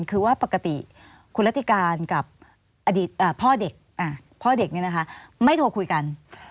คือว่าปกติคุณรัติการกับอดีตพ่อเด็กพ่อเด็กนี่นะคะไม่โทรคุยกัน